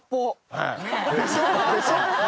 はい。